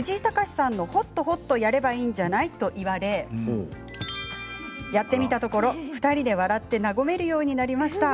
やればいいんじゃない？と言われやってみたところ２人で笑って和めるようになりました。